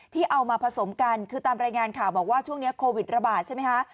ที่เอามาผสมกันคือตามรายงานข่าวบอกว่าช่วงนี้โควิดระบาดใช่ไหมคะ